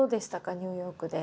ニューヨークで。